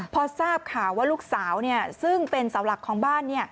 พอทราบข่าวว่าลูกสาวซึ่งเป็นเสาหลักของบ้าน